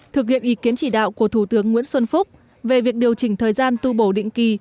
thực hiện ý kiến chỉ đạo của thủ tướng nguyễn xuân phúc về việc điều chỉnh thời gian tu bổ định kỳ